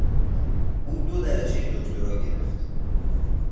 او دو درجهی دکترا گرفت.